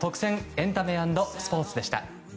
エンタメ＆スポーツでした。